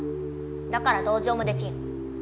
だから同情もできん。